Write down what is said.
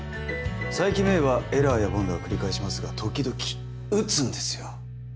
佐伯芽依はエラーや凡打を繰り返しますが時々打つんですよ。